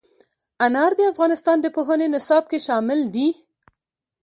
انار د افغانستان د پوهنې نصاب کې شامل دي.